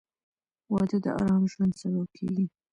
• واده د ارام ژوند سبب کېږي.